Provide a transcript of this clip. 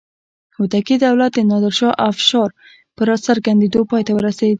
هوتکي دولت د نادر شاه افشار په راڅرګندېدو پای ته ورسېد.